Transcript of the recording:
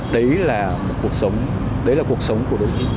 đấy là một cuộc sống đấy là cuộc sống của đôi chúng